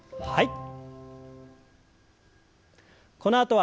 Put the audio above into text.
はい。